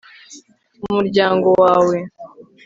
umuryango wawe